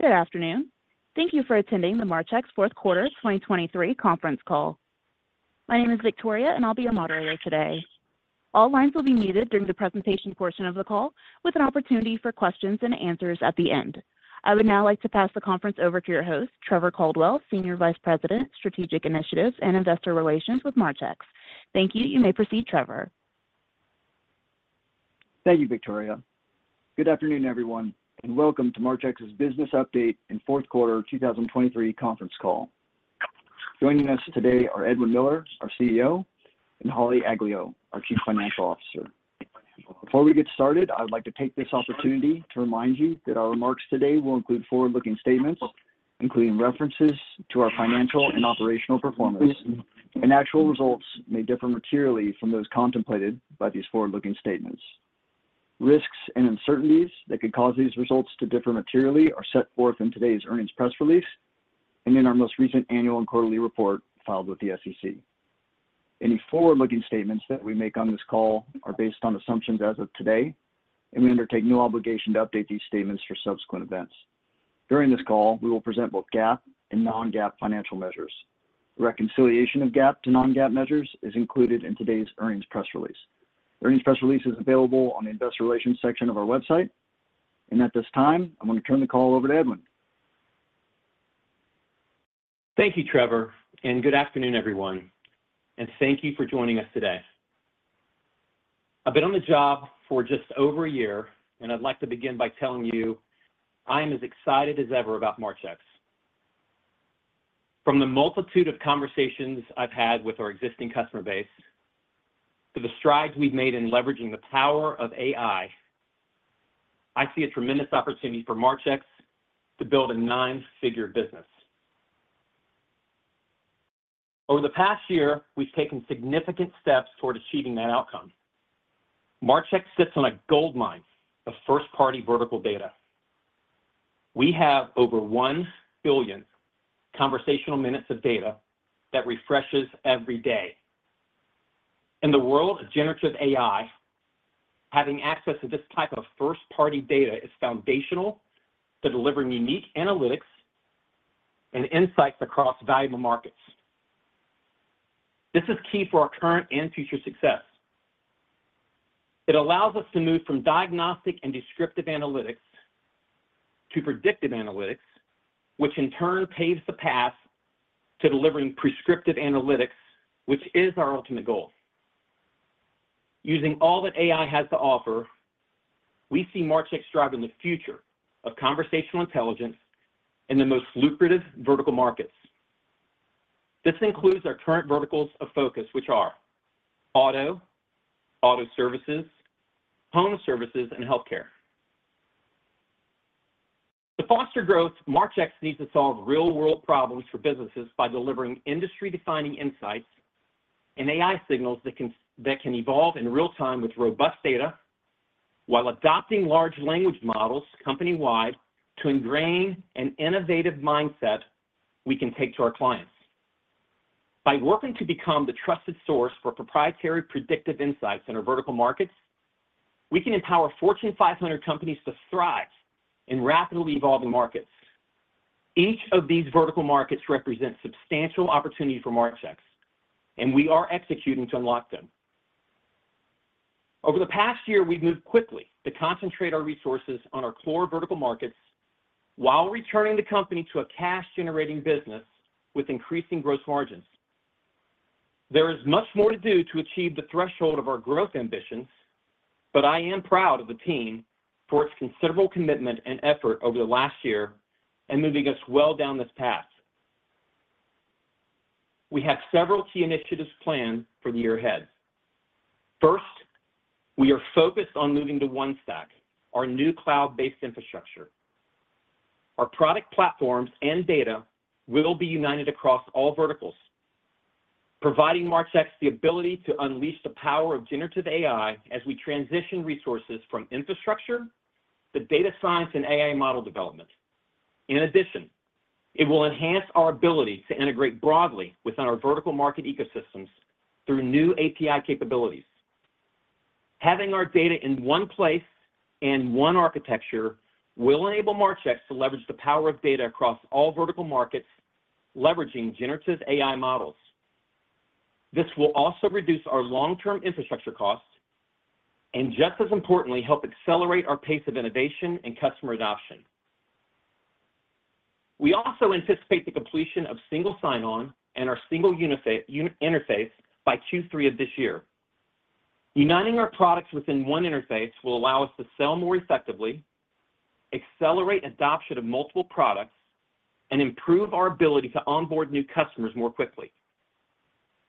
Good afternoon. Thank you for attending the Marchex Fourth Quarter 2023 conference call. My name is Victoria, and I'll be your moderator today. All lines will be muted during the presentation portion of the call, with an opportunity for questions and answers at the end. I would now like to pass the conference over to your host, Trevor Caldwell, Senior Vice President, Strategic Initiatives and Investor Relations with Marchex. Thank you. You may proceed, Trevor. Thank you, Victoria. Good afternoon, everyone, and welcome to Marchex's Business Update and Fourth Quarter 2023 conference call. Joining us today are Edwin Miller, our CEO, and Holly Aglio, our Chief Financial Officer. Before we get started, I would like to take this opportunity to remind you that our remarks today will include forward-looking statements, including references to our financial and operational performance, and actual results may differ materially from those contemplated by these forward-looking statements. Risks and uncertainties that could cause these results to differ materially are set forth in today's earnings press release and in our most recent annual and quarterly report filed with the SEC. Any forward-looking statements that we make on this call are based on assumptions as of today, and we undertake no obligation to update these statements for subsequent events. During this call, we will present both GAAP and non-GAAP financial measures. Reconciliation of GAAP to non-GAAP measures is included in today's earnings press release. The earnings press release is available on the Investor Relations section of our website. At this time, I'm going to turn the call over to Edwin. Thank you, Trevor, and good afternoon, everyone. Thank you for joining us today. I've been on the job for just over a year, and I'd like to begin by telling you I am as excited as ever about Marchex. From the multitude of conversations I've had with our existing customer base to the strides we've made in leveraging the power of AI, I see a tremendous opportunity for Marchex to build a nine-figure business. Over the past year, we've taken significant steps toward achieving that outcome. Marchex sits on a goldmine of first-party vertical data. We have over 1 billion conversational minutes of data that refreshes every day. In the world of generative AI, having access to this type of first-party data is foundational to delivering unique analytics and insights across valuable markets. This is key for our current and future success. It allows us to move from diagnostic and descriptive analytics to predictive analytics, which in turn paves the path to delivering prescriptive analytics, which is our ultimate goal. Using all that AI has to offer, we see Marchex driving the future of conversational intelligence in the most lucrative vertical markets. This includes our current verticals of focus, which are auto, auto services, home services, and healthcare. To foster growth, Marchex needs to solve real-world problems for businesses by delivering industry-defining insights and AI signals that can evolve in real time with robust data, while adopting large language models company-wide to ingrain an innovative mindset we can take to our clients. By working to become the trusted source for proprietary predictive insights in our vertical markets, we can empower Fortune 500 companies to thrive in rapidly evolving markets. Each of these vertical markets represents substantial opportunities for Marchex, and we are executing to unlock them. Over the past year, we've moved quickly to concentrate our resources on our core vertical markets while returning the company to a cash-generating business with increasing gross margins. There is much more to do to achieve the threshold of our growth ambitions, but I am proud of the team for its considerable commitment and effort over the last year and moving us well down this path. We have several key initiatives planned for the year ahead. First, we are focused on moving to OneStack, our new cloud-based infrastructure. Our product platforms and data will be united across all verticals, providing Marchex the ability to unleash the power of Generative AI as we transition resources from infrastructure to data science and AI model development. In addition, it will enhance our ability to integrate broadly within our vertical market ecosystems through new API capabilities. Having our data in one place and one architecture will enable Marchex to leverage the power of data across all vertical markets, leveraging Generative AI models. This will also reduce our long-term infrastructure costs and, just as importantly, help accelerate our pace of innovation and customer adoption. We also anticipate the completion of Single Sign-On and our single interface by Q3 of this year. Uniting our products within one interface will allow us to sell more effectively, accelerate adoption of multiple products, and improve our ability to onboard new customers more quickly.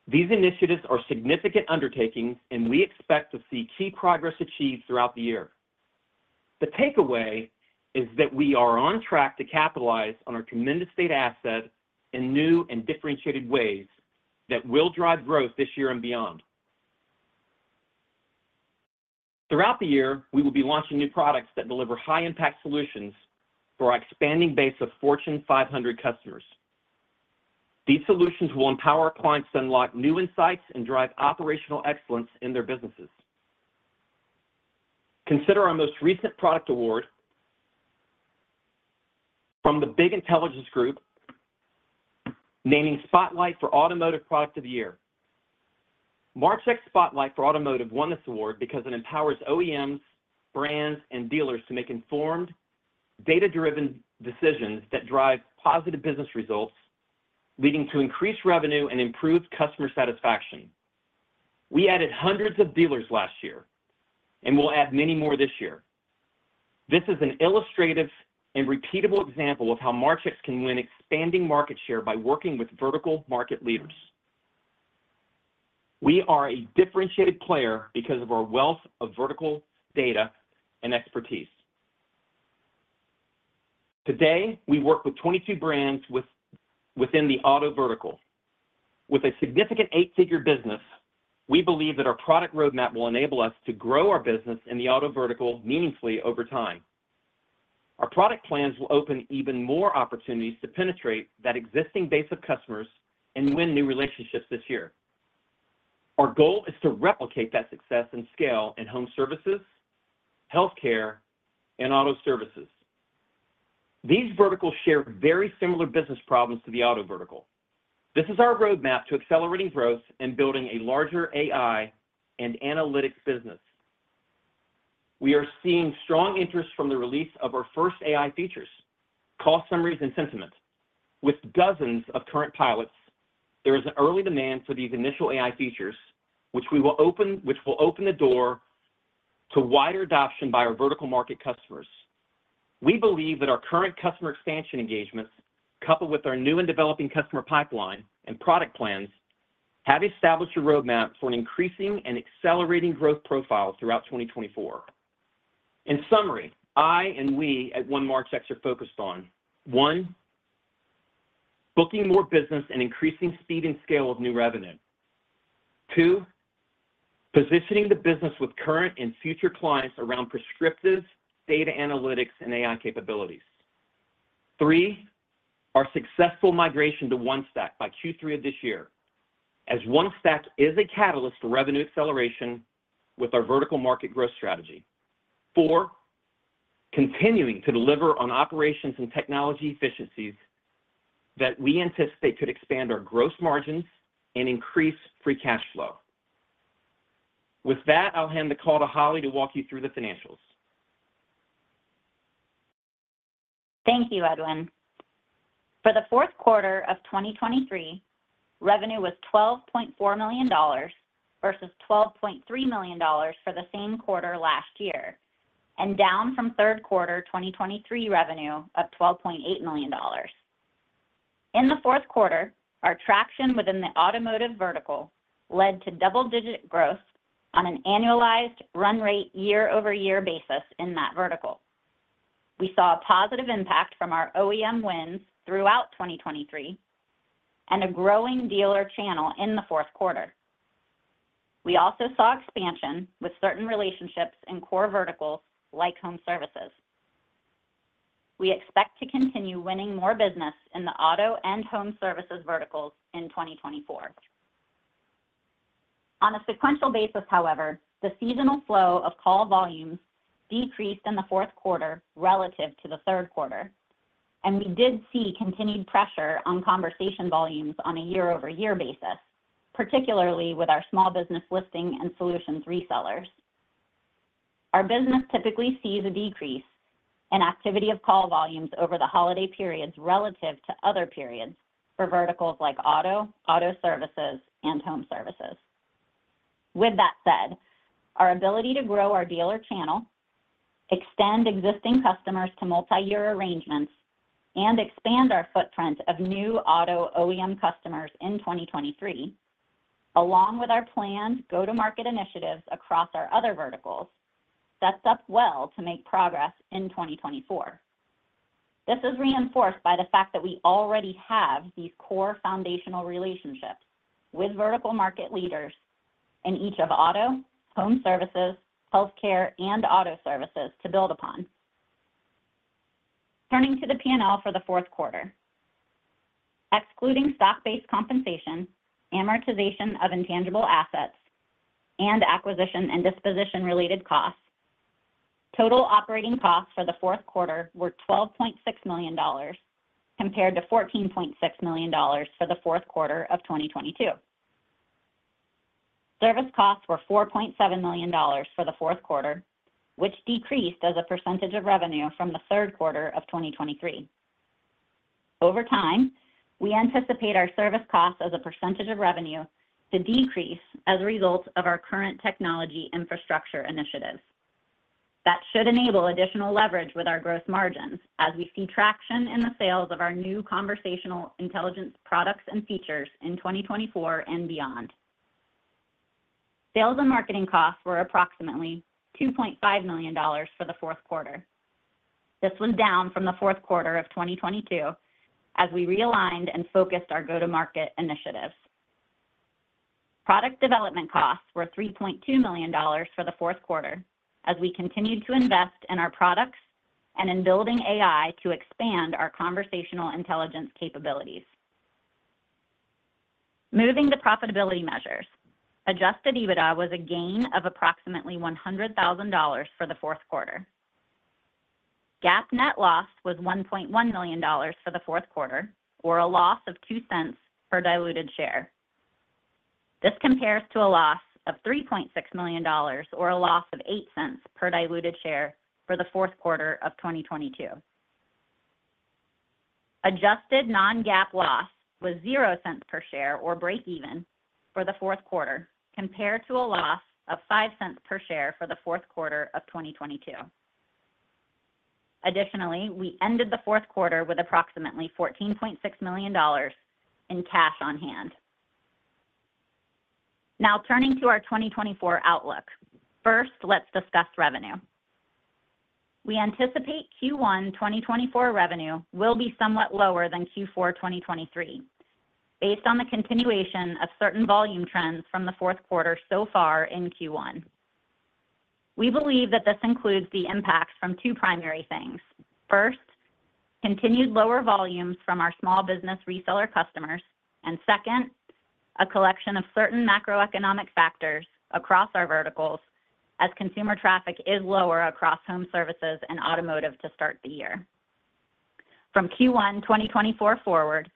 These initiatives are significant undertakings, and we expect to see key progress achieved throughout the year. The takeaway is that we are on track to capitalize on our tremendous data asset in new and differentiated ways that will drive growth this year and beyond. Throughout the year, we will be launching new products that deliver high-impact solutions for our expanding base of Fortune 500 customers. These solutions will empower our clients to unlock new insights and drive operational excellence in their businesses. Consider our most recent product award from the Business Intelligence Group, naming Spotlight for Automotive Product of the Year. Marchex Spotlight for Automotive won this award because it empowers OEMs, brands, and dealers to make informed, data-driven decisions that drive positive business results, leading to increased revenue and improved customer satisfaction. We added hundreds of dealers last year, and we'll add many more this year. This is an illustrative and repeatable example of how Marchex can win expanding market share by working with vertical market leaders. We are a differentiated player because of our wealth of vertical data and expertise. Today, we work with 22 brands within the auto vertical. With a significant eight-figure business, we believe that our product roadmap will enable us to grow our business in the auto vertical meaningfully over time. Our product plans will open even more opportunities to penetrate that existing base of customers and win new relationships this year. Our goal is to replicate that success and scale in home services, healthcare, and auto services. These verticals share very similar business problems to the auto vertical. This is our roadmap to accelerating growth and building a larger AI and analytics business. We are seeing strong interest from the release of our first AI features, call summaries, and sentiment. With dozens of current pilots, there is an early demand for these initial AI features, which will open the door to wider adoption by our vertical market customers. We believe that our current customer expansion engagements, coupled with our new and developing customer pipeline and product plans, have established a roadmap for an increasing and accelerating growth profile throughout 2024. In summary, I and we at One Marchex are focused on: one, booking more business and increasing speed and scale of new revenue. Two, positioning the business with current and future clients around prescriptive data analytics and AI capabilities. Three, our successful migration to OneStack by Q3 of this year, as OneStack is a catalyst to revenue acceleration with our vertical market growth strategy. Four, continuing to deliver on operations and technology efficiencies that we anticipate could expand our gross margins and increase free cash flow. With that, I'll hand the call to Holly to walk you through the financials. Thank you, Edwin. For the fourth quarter of 2023, revenue was $12.4 million versus $12.3 million for the same quarter last year, and down from third quarter 2023 revenue of $12.8 million. In the fourth quarter, our traction within the automotive vertical led to double-digit growth on an annualized run-rate year-over-year basis in that vertical. We saw a positive impact from our OEM wins throughout 2023 and a growing dealer channel in the fourth quarter. We also saw expansion with certain relationships and core verticals like home services. We expect to continue winning more business in the auto and home services verticals in 2024. On a sequential basis, however, the seasonal flow of call volumes decreased in the fourth quarter relative to the third quarter, and we did see continued pressure on conversation volumes on a year-over-year basis, particularly with our small business listing and solutions resellers. Our business typically sees a decrease in activity of call volumes over the holiday periods relative to other periods for verticals like auto, auto services, and home services. With that said, our ability to grow our dealer channel, extend existing customers to multi-year arrangements, and expand our footprint of new auto OEM customers in 2023, along with our planned go-to-market initiatives across our other verticals, sets up well to make progress in 2024. This is reinforced by the fact that we already have these core foundational relationships with vertical market leaders in each of auto, home services, healthcare, and auto services to build upon. Turning to the P&L for the fourth quarter, excluding stock-based compensation, amortization of intangible assets, and acquisition and disposition-related costs, total operating costs for the fourth quarter were $12.6 million compared to $14.6 million for the fourth quarter of 2022. Service costs were $4.7 million for the fourth quarter, which decreased as a percentage of revenue from the third quarter of 2023. Over time, we anticipate our service costs as a percentage of revenue to decrease as a result of our current technology infrastructure initiatives. That should enable additional leverage with our gross margins as we see traction in the sales of our new conversational intelligence products and features in 2024 and beyond. Sales and marketing costs were approximately $2.5 million for the fourth quarter. This was down from the fourth quarter of 2022 as we realigned and focused our go-to-market initiatives. Product development costs were $3.2 million for the fourth quarter as we continued to invest in our products and in building AI to expand our conversational intelligence capabilities. Moving to profitability measures, Adjusted EBITDA was a gain of approximately $100,000 for the fourth quarter. GAAP net loss was $1.1 million for the fourth quarter, or a loss of $0.02 per diluted share. This compares to a loss of $3.6 million or a loss of $0.08 per diluted share for the fourth quarter of 2022. Adjusted non-GAAP loss was $0.00 per share or break-even for the fourth quarter compared to a loss of $0.05 per share for the fourth quarter of 2022. Additionally, we ended the fourth quarter with approximately $14.6 million in cash on hand. Now turning to our 2024 outlook. First, let's discuss revenue. We anticipate Q1 2024 revenue will be somewhat lower than Q4 2023 based on the continuation of certain volume trends from the fourth quarter so far in Q1. We believe that this includes the impacts from two primary things. First, continued lower volumes from our small business reseller customers. Second, a collection of certain macroeconomic factors across our verticals as consumer traffic is lower across home services and automotive to start the year. From Q1 2024 forward,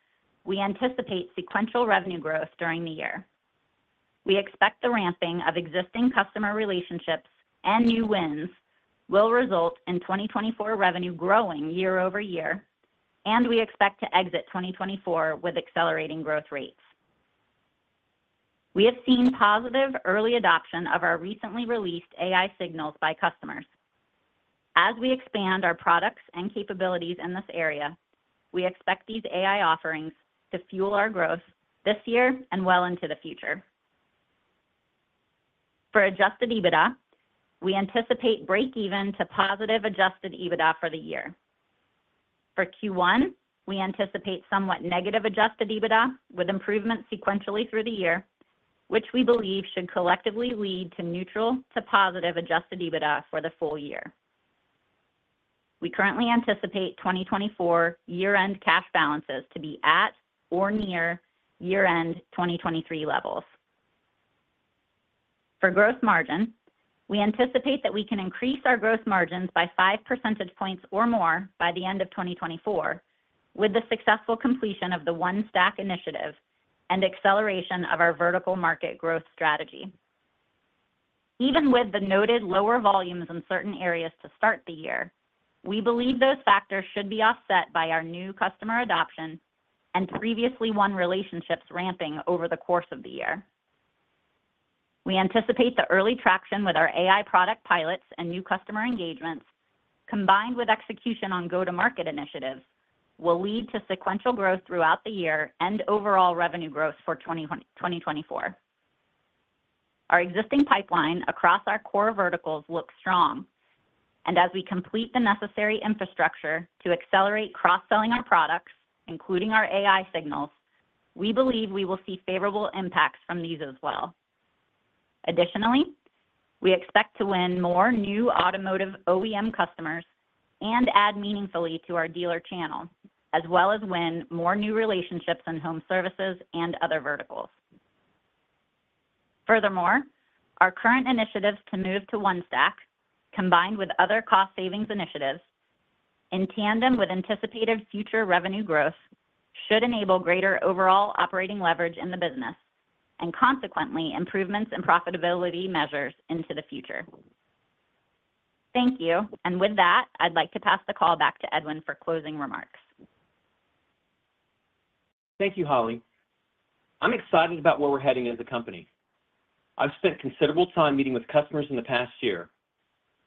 we anticipate sequential revenue growth during the year. We expect the ramping of existing customer relationships and new wins will result in 2024 revenue growing year over year, and we expect to exit 2024 with accelerating growth rates. We have seen positive early adoption of our recently released AI signals by customers. As we expand our products and capabilities in this area, we expect these AI offerings to fuel our growth this year and well into the future. For Adjusted EBITDA, we anticipate break-even to positive Adjusted EBITDA for the year. For Q1, we anticipate somewhat negative Adjusted EBITDA with improvements sequentially through the year, which we believe should collectively lead to neutral to positive Adjusted EBITDA for the full year. We currently anticipate 2024 year-end cash balances to be at or near year-end 2023 levels. For gross margin, we anticipate that we can increase our gross margins by 5 percentage points or more by the end of 2024 with the successful completion of the OneStack initiative and acceleration of our vertical market growth strategy. Even with the noted lower volumes in certain areas to start the year, we believe those factors should be offset by our new customer adoption and previously won relationships ramping over the course of the year. We anticipate the early traction with our AI product pilots and new customer engagements, combined with execution on go-to-market initiatives, will lead to sequential growth throughout the year and overall revenue growth for 2024. Our existing pipeline across our core verticals looks strong, and as we complete the necessary infrastructure to accelerate cross-selling our products, including our AI signals, we believe we will see favorable impacts from these as well. Additionally, we expect to win more new automotive OEM customers and add meaningfully to our dealer channel, as well as win more new relationships in home services and other verticals. Furthermore, our current initiatives to move to OneStack, combined with other cost-savings initiatives, in tandem with anticipated future revenue growth, should enable greater overall operating leverage in the business and consequently improvements in profitability measures into the future. Thank you. With that, I'd like to pass the call back to Edwin for closing remarks. Thank you, Holly. I'm excited about where we're heading as a company. I've spent considerable time meeting with customers in the past year.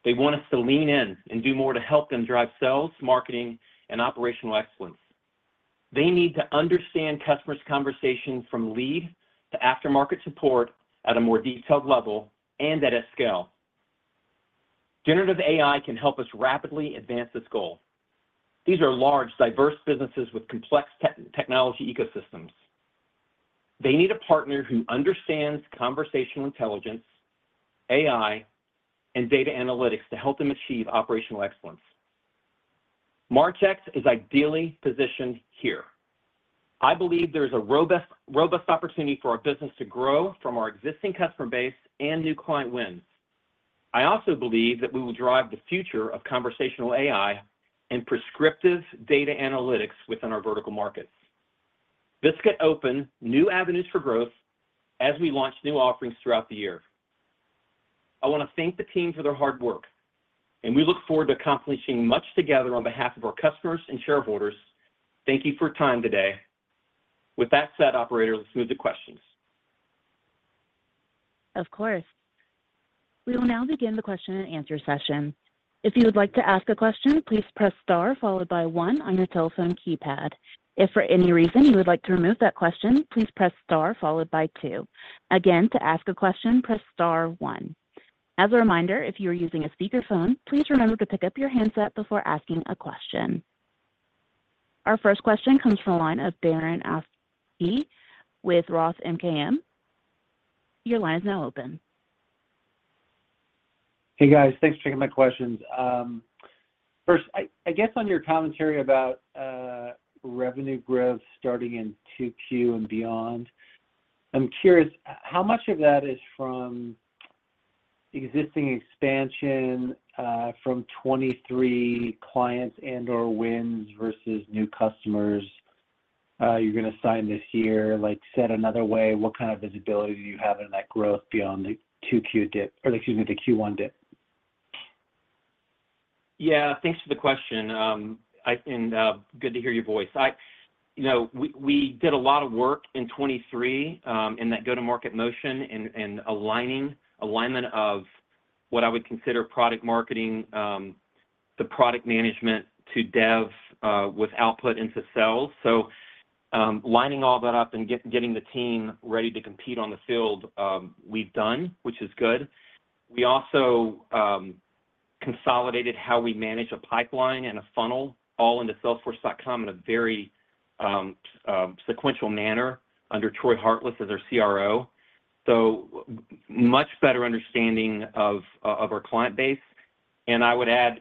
They want us to lean in and do more to help them drive sales, marketing, and operational excellence. They need to understand customers' conversations from lead to aftermarket support at a more detailed level and at a scale. Generative AI can help us rapidly advance this goal. These are large, diverse businesses with complex technology ecosystems. They need a partner who understands conversational intelligence, AI, and data analytics to help them achieve operational excellence. Marchex is ideally positioned here. I believe there is a robust opportunity for our business to grow from our existing customer base and new client wins. I also believe that we will drive the future of conversational AI and prescriptive data analytics within our vertical markets. This could open new avenues for growth as we launch new offerings throughout the year. I want to thank the team for their hard work, and we look forward to accomplishing much together on behalf of our customers and shareholders. Thank you for your time today. With that said, operator, let's move to questions. Of course. We will now begin the question-and-answer session. If you would like to ask a question, please press star followed by one on your telephone keypad. If for any reason you would like to remove that question, please press star followed by two. Again, to ask a question, press star one. As a reminder, if you are using a speakerphone, please remember to pick up your handset before asking a question. Our first question comes from the line of Darren Aftahi with Roth MKM. Your line is now open. Hey, guys. Thanks for taking my questions. First, I guess on your commentary about revenue growth starting in 2Q and beyond, I'm curious how much of that is from existing expansion from 23 clients and/or wins versus new customers you're going to sign this year. Said another way, what kind of visibility do you have in that growth beyond the 2Q dip or excuse me, the Q1 dip? Yeah. Thanks for the question. Good to hear your voice. We did a lot of work in 2023 in that go-to-market motion and alignment of what I would consider product marketing, the product management to dev with output into sales. Lining all that up and getting the team ready to compete on the field, we've done, which is good. We also consolidated how we manage a pipeline and a funnel all into Salesforce.com in a very sequential manner under Troy Hartless as our CRO. Much better understanding of our client base. I would add,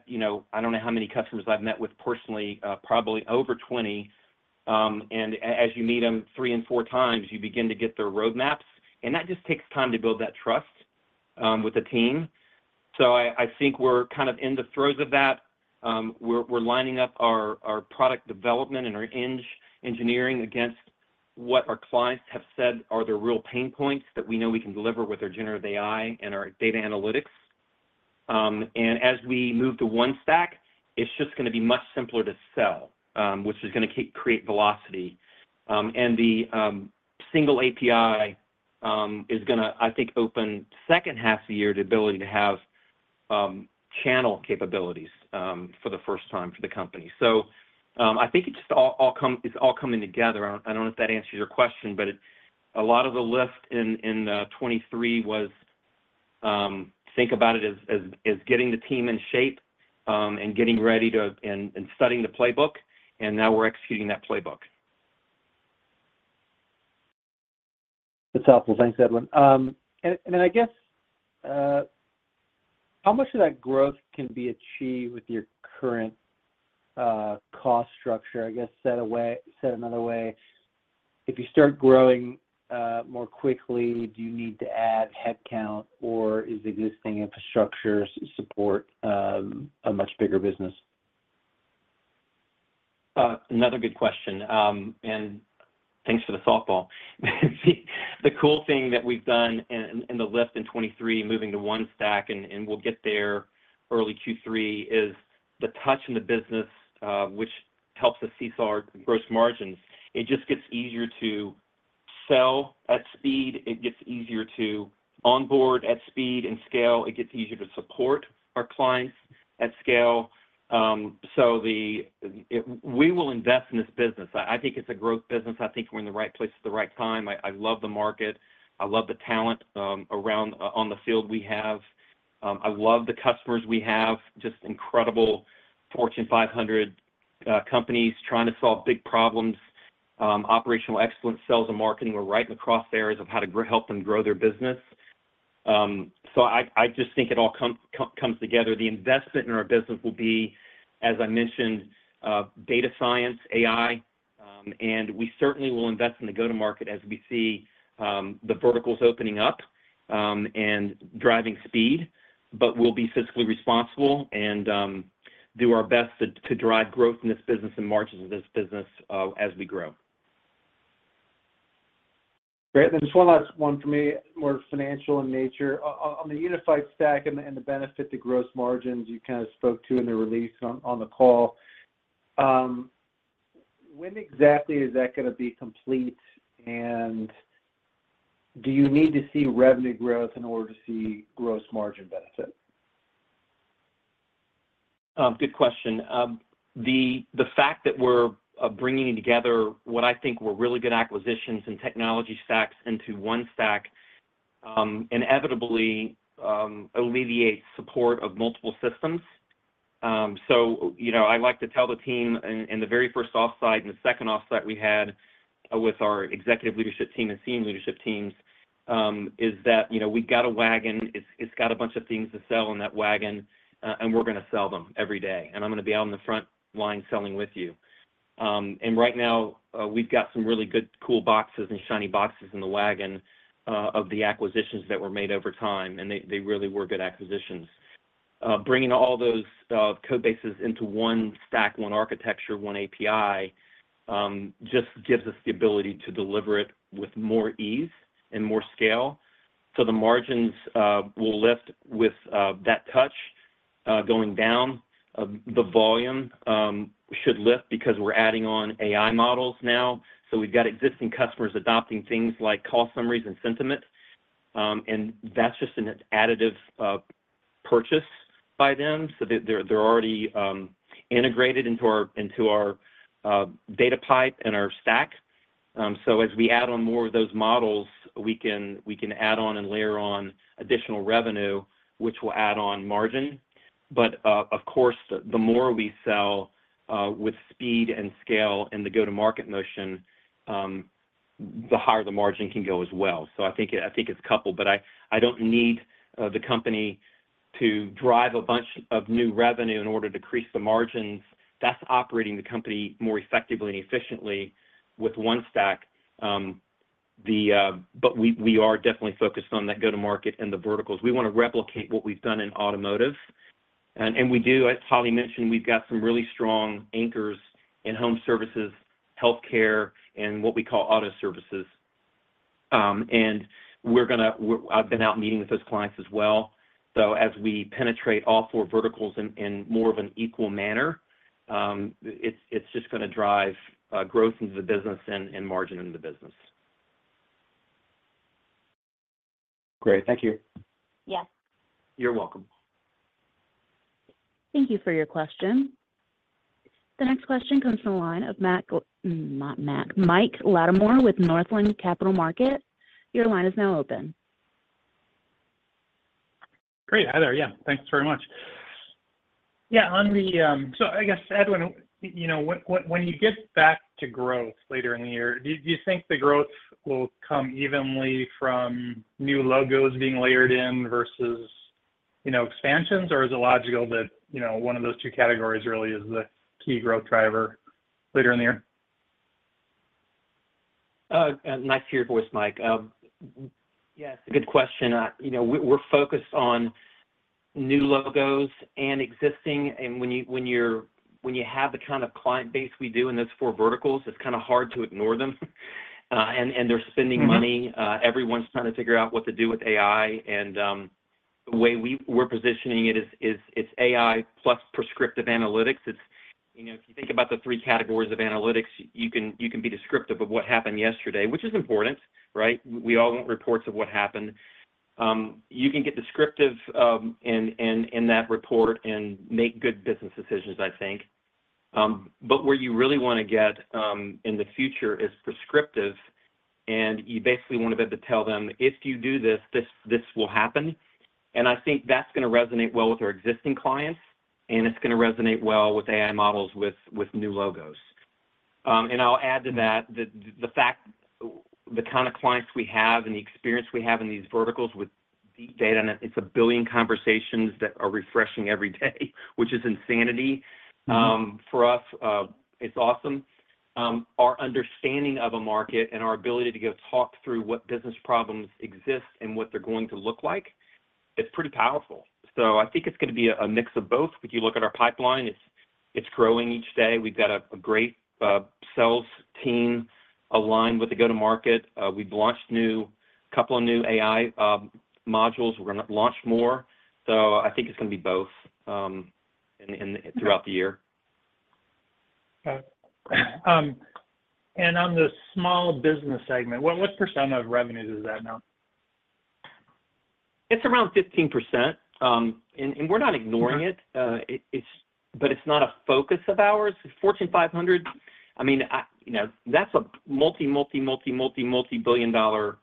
I don't know how many customers I've met with personally, probably over 20. As you meet them three and four times, you begin to get their roadmaps. That just takes time to build that trust with the team. I think we're kind of in the throes of that. We're lining up our product development and our engineering against what our clients have said are their real pain points that we know we can deliver with our generative AI and our data analytics. And as we move to OneStack, it's just going to be much simpler to sell, which is going to create velocity. And the single API is going to, I think, open second half of the year the ability to have channel capabilities for the first time for the company. So I think it's just all coming together. I don't know if that answers your question, but a lot of the lift in 2023 was think about it as getting the team in shape and getting ready to and studying the playbook. And now we're executing that playbook. That's helpful. Thanks, Edwin. And then I guess how much of that growth can be achieved with your current cost structure? I guess said another way, if you start growing more quickly, do you need to add headcount, or is existing infrastructure support a much bigger business? Another good question. And thanks for the thought ball. The cool thing that we've done in the lift in 2023 moving to OneStack, and we'll get there early Q3, is the touch in the business, which helps us see our gross margins. It just gets easier to sell at speed. It gets easier to onboard at speed and scale. It gets easier to support our clients at scale. So we will invest in this business. I think it's a growth business. I think we're in the right place at the right time. I love the market. I love the talent on the field we have. I love the customers we have. Just incredible Fortune 500 companies trying to solve big problems. Operational excellence, sales, and marketing were right in the crosshairs of how to help them grow their business. So I just think it all comes together. The investment in our business will be, as I mentioned, data science, AI. We certainly will invest in the go-to-market as we see the verticals opening up and driving speed. We'll be fiscally responsible and do our best to drive growth in this business and margins of this business as we grow. Great. Then just one last one for me, more financial in nature. On the unified stack and the benefit to gross margins, you kind of spoke to in the release on the call. When exactly is that going to be complete? And do you need to see revenue growth in order to see gross margin benefit? Good question. The fact that we're bringing together what I think were really good acquisitions and technology stacks into OneStack inevitably alleviates support of multiple systems. So I like to tell the team in the very first offsite and the second offsite we had with our executive leadership team and senior leadership teams is that we got a wagon. It's got a bunch of things to sell in that wagon. And we're going to sell them every day. And I'm going to be out on the front line selling with you. And right now, we've got some really good, cool boxes and shiny boxes in the wagon of the acquisitions that were made over time. And they really were good acquisitions. Bringing all those code bases into one stack, one architecture, one API just gives us the ability to deliver it with more ease and more scale. So the margins will lift with that touch going down. The volume should lift because we're adding on AI models now. So we've got existing customers adopting things like call summaries and sentiment. And that's just an additive purchase by them. So they're already integrated into our data pipe and our stack. So as we add on more of those models, we can add on and layer on additional revenue, which will add on margin. But of course, the more we sell with speed and scale in the go-to-market motion, the higher the margin can go as well. So I think it's coupled. But I don't need the company to drive a bunch of new revenue in order to increase the margins. That's operating the company more effectively and efficiently with OneStack. But we are definitely focused on that go-to-market and the verticals. We want to replicate what we've done in automotive. We do, as Holly mentioned, we've got some really strong anchors in home services, healthcare, and what we call auto services. I've been out meeting with those clients as well. As we penetrate all four verticals in more of an equal manner, it's just going to drive growth into the business and margin into the business. Great. Thank you. Yes. You're welcome. Thank you for your question. The next question comes from the line of Mike Latimore with Northland Capital Markets. Your line is now open. Great. Hi there. Yeah. Thanks very much. Yeah. So I guess, Edwin, when you get back to growth later in the year, do you think the growth will come evenly from new logos being layered in versus expansions? Or is it logical that one of those two categories really is the key growth driver later in the year? Nice to hear your voice, Mike. It's a good question. We're focused on new logos and existing. And when you have the kind of client base we do in those four verticals, it's kind of hard to ignore them. And they're spending money. Everyone's trying to figure out what to do with AI. And the way we're positioning it, it's AI plus prescriptive analytics. If you think about the three categories of analytics, you can be descriptive of what happened yesterday, which is important, right? We all want reports of what happened. You can get descriptive in that report and make good business decisions, I think. But where you really want to get in the future is prescriptive. And you basically want to be able to tell them, "If you do this, this will happen." And I think that's going to resonate well with our existing clients. And it's going to resonate well with AI models with new logos. And I'll add to that the kind of clients we have and the experience we have in these verticals with deep data, and it's 1 billion conversations that are refreshing every day, which is insanity for us. It's awesome. Our understanding of a market and our ability to go talk through what business problems exist and what they're going to look like, it's pretty powerful. So I think it's going to be a mix of both. If you look at our pipeline, it's growing each day. We've got a great sales team aligned with the go-to-market. We've launched a couple of new AI modules. We're going to launch more. So I think it's going to be both throughout the year. Got it. On the small business segment, what % of revenue does that amount? It's around 15%. We're not ignoring it. But it's not a focus of ours. Fortune 500, I mean, that's a multi, multi, multi, multi, multibillion-dollar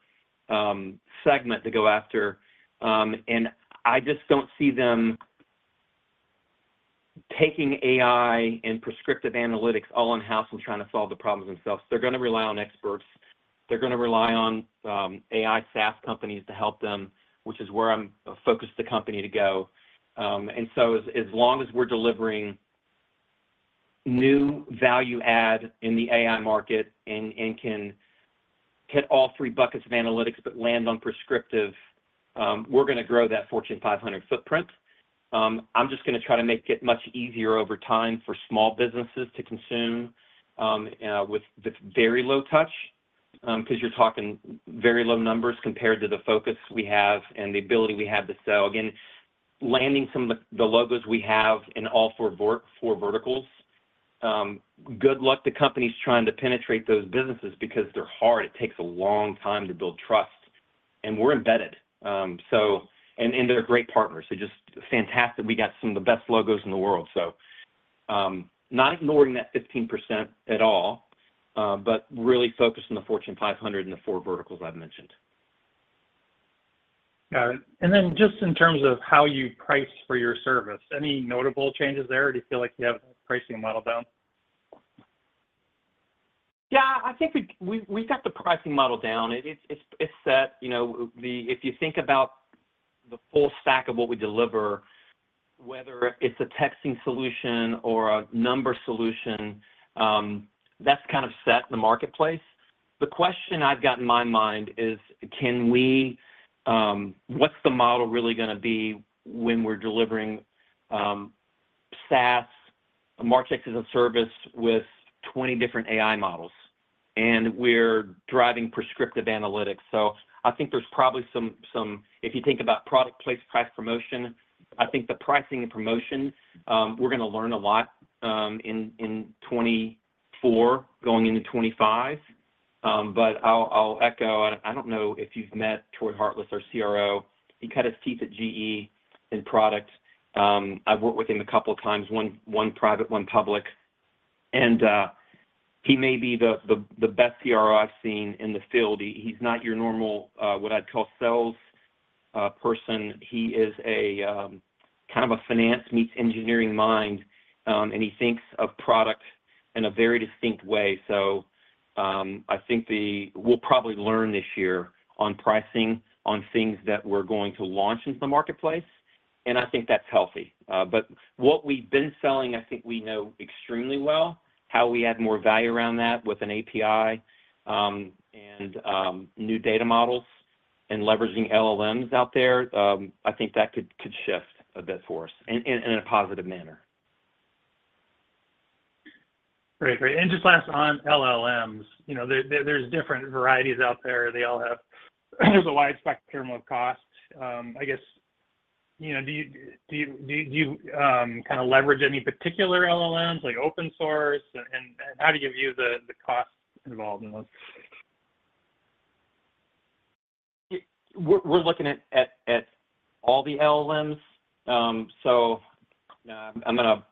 segment to go after. And I just don't see them taking AI and prescriptive analytics all in-house and trying to solve the problems themselves. They're going to rely on experts. They're going to rely on AI SaaS companies to help them, which is where I'm focused the company to go. And so as long as we're delivering new value add in the AI market and can hit all three buckets of analytics but land on prescriptive, we're going to grow that Fortune 500 footprint. I'm just going to try to make it much easier over time for small businesses to consume with very low touch because you're talking very low numbers compared to the focus we have and the ability we have to sell. Again, landing some of the logos we have in all four verticals, good luck to companies trying to penetrate those businesses because they're hard. It takes a long time to build trust. And we're embedded. And they're great partners. So just fantastic. We got some of the best logos in the world. So not ignoring that 15% at all, but really focusing on the Fortune 500 and the four verticals I've mentioned. Got it. And then just in terms of how you price for your service, any notable changes there? Or do you feel like you have the pricing model down? Yeah. I think we've got the pricing model down. It's set. If you think about the full stack of what we deliver, whether it's a texting solution or a number solution, that's kind of set in the marketplace. The question I've got in my mind is, what's the model really going to be when we're delivering SaaS, a Marchex as a service with 20 different AI models? And we're driving prescriptive analytics. So I think there's probably some if you think about product place, price, promotion, I think the pricing and promotion, we're going to learn a lot in 2024 going into 2025. But I'll echo, and I don't know if you've met Troy Hartless, our CRO. He cut his teeth at GE in product. I've worked with him a couple of times, one private, one public. And he may be the best CRO I've seen in the field. He's not your normal, what I'd call, sales person. He is kind of a finance meets engineering mind. He thinks of product in a very distinct way. I think we'll probably learn this year on pricing, on things that we're going to launch into the marketplace. I think that's healthy. But what we've been selling, I think we know extremely well how we add more value around that with an API and new data models and leveraging LLMs out there. I think that could shift a bit for us in a positive manner. Great. Great. And just last on LLMs, there's different varieties out there. They all have. There's a wide spectrum of cost. I guess, do you kind of leverage any particular LLMs like open source? And how do you view the cost involved in those? We're looking at all the LLMs. So I'm going to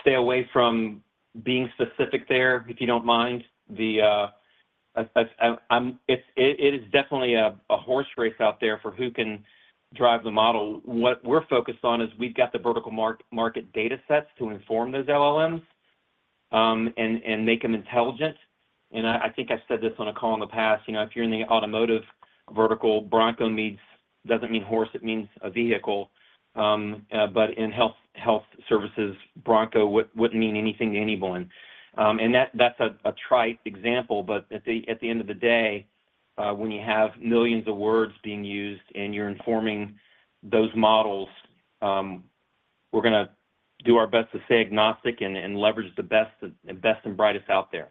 stay away from being specific there, if you don't mind. It is definitely a horse race out there for who can drive the model. What we're focused on is we've got the vertical market datasets to inform those LLMs and make them intelligent. And I think I've said this on a call in the past. If you're in the automotive vertical, Bronco doesn't mean horse. It means a vehicle. But in health services, Bronco wouldn't mean anything to anyone. And that's a tried example. But at the end of the day, when you have millions of words being used and you're informing those models, we're going to do our best to stay agnostic and leverage the best and brightest out there.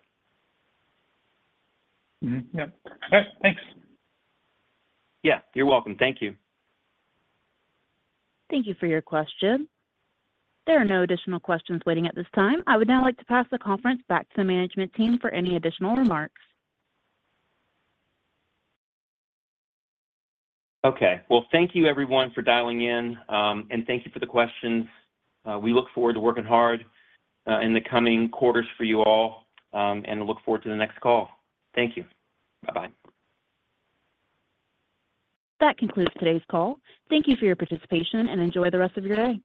Yep. All right. Thanks. Yeah. You're welcome. Thank you. Thank you for your question. There are no additional questions waiting at this time. I would now like to pass the conference back to the management team for any additional remarks. Okay. Well, thank you, everyone, for dialing in. Thank you for the questions. We look forward to working hard in the coming quarters for you all and look forward to the next call. Thank you. Bye-bye. That concludes today's call. Thank you for your participation and enjoy the rest of your day.